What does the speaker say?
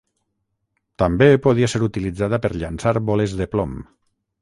També podia ser utilitzada per llançar boles de plom.